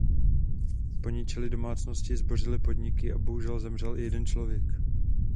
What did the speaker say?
Poničily domácnosti, zbořily podniky a bohužel zemřel i jeden člověk.